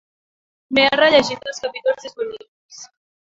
M'he rellegit els capítols disponibles.